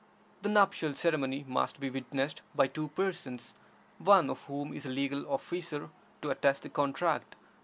The nuptial ceremony must be witnessed by two persons, one of whom is a legal officer to attest the contract.